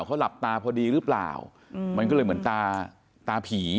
เขาหลับตาพอดีหรือเปล่ามันก็เลยเหมือนตาตาผี